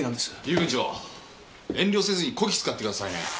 遊軍長遠慮せずにこき使ってくださいね。